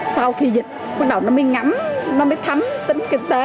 sau khi dịch bắt đầu nó mới ngắm nó mới thấm tính kinh tế